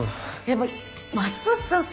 やっぱ松戸さん